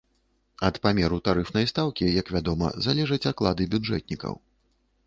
Ад памеру тарыфнай стаўкі, як вядома, залежаць аклады бюджэтнікаў.